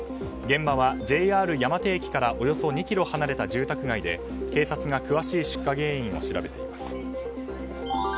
現場はＪＲ山手駅からおよそ２ｋｍ離れた住宅街で警察が詳しい出火原因を調べています。